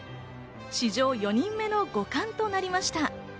史上４人目の五冠となりました。